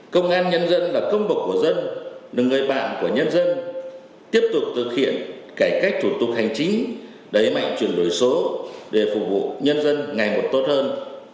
công an nhân dân là công bậc của dân là người bạn của nhân dân tiếp tục thực hiện cải cách thủ tục hành chính đẩy mạnh chuyển đổi số để phục vụ nhân dân ngày một tốt hơn